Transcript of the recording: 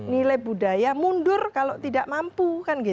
nilai budaya mundur kalau tidak mampu